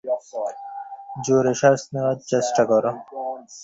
জোরে শ্বাস নেওয়ার চেষ্টা করো।